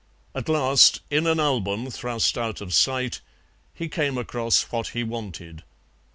At last, in an album thrust out of sight, he came across what he wanted.